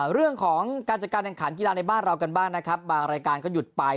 เรื่องของการจัดการแข่งขันกีฬาในบ้านเรากันบ้างนะครับบางรายการก็หยุดไป